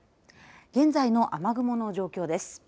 現在の雨雲の状況です。